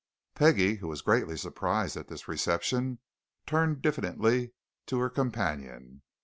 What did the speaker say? Peggie, who was greatly surprised at this reception, turned diffidently to her companion.